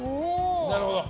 なるほど。